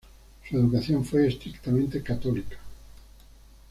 Su educación fue estrictamente católica.